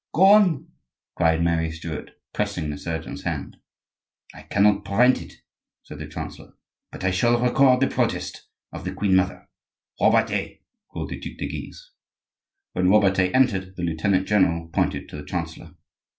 "Go on!" cried Mary Stuart, pressing the surgeon's hand. "I cannot prevent it," said the chancellor; "but I shall record the protest of the queen mother." "Robertet!" called the Duc de Guise. When Robertet entered, the lieutenant general pointed to the chancellor.